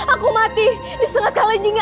aku mati disengatkan lejingnya